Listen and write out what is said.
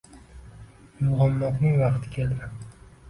Uyg’onmoqning vaqti keldi